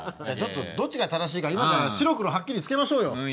じゃあちょっとどっちが正しいか今から白黒はっきりつけましょうよ。